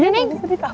iya gue disini kampung